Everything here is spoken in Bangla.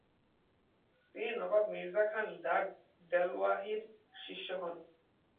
তিনি নবাব মির্জা খান দাঘ দেলওয়াহির শিষ্য হন।